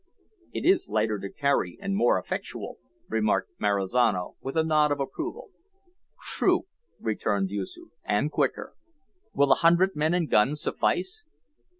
"It is lighter to carry, and more effectual," remarked Marizano, with a nod of approval. "True," returned Yoosoof, "and quicker. Will a hundred men and guns suffice?"